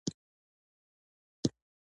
زه د زغم هڅه کوم.